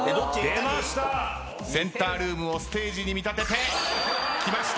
センタールームをステージに見立ててきまし